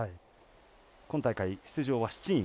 今大会、出場は７人。